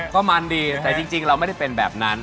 ก็มันดีแต่จริงเราไม่ได้เป็นแบบนั้น